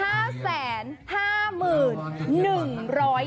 คาวไร